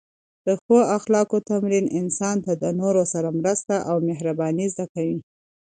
د ښو اخلاقو تمرین انسان ته د نورو سره مرسته او مهرباني زده کوي.